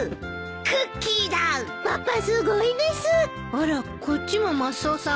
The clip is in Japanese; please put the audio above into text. あらこっちもマスオさん